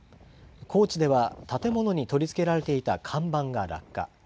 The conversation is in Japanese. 高知では建物に取り付けられていた看板が落下。